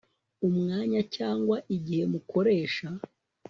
umwanya cyangwa igihe mukoresha